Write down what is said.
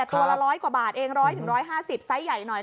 ตัวละ๑๐๐กว่าบาทเอง๑๐๐๑๕๐ไซส์ใหญ่หน่อย